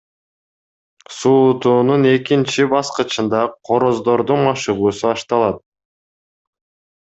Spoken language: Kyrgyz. Суутуунун экинчи баскычында короздордун машыгуусу башталат.